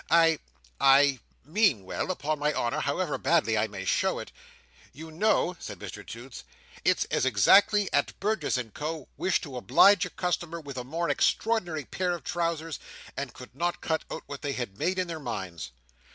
I—I—mean well, upon my honour, however badly I may show it. You know," said Mr Toots, "it's as exactly as Burgess and Co. wished to oblige a customer with a most extraordinary pair of trousers, and could not cut out what they had in their minds."